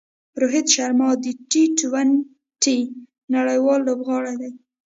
روهیت شرما د ټي ټوئنټي نړۍوال لوبغاړی دئ.